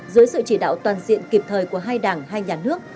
dưới sự chỉ đạo toàn diện kịp thời của hai đảng hai nhà nước